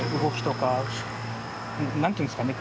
何て言うんですかね